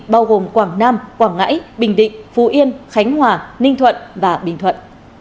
bao gồm quảng nam quảng ngãi bình định phú yên khánh hòa ninh thuận và bình thuận